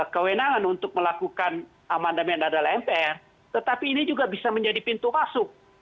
kewenangan untuk melakukan amandemen adalah mpr tetapi ini juga bisa menjadi pintu masuk